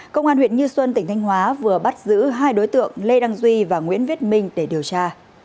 công an huyện như xuân tỉnh thanh hóa vừa bắt giữ hai đối tượng lê đăng duy và nguyễn viết minh để điều tra